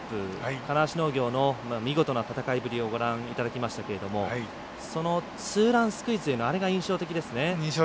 金足農業の見事な戦いぶりをご覧いただきましたがそのツーランスクイズでのあれが印象的ですね。